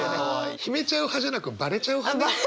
秘めちゃう派じゃなくバレちゃう派ね。